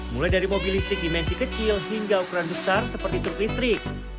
mulai dari mobil listrik dimensi kecil hingga ukuran besar seperti truk listrik